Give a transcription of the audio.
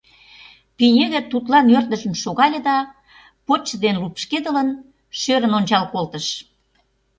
Пинеге тудлан ӧрдыжын шогале да, почшо дене лупшкедылын, шӧрын ончал колтыш!